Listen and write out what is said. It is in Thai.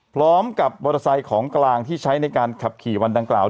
พร้อมกับมอเตอร์ไซค์ของกลางที่ใช้ในการขับขี่วันดังกล่าว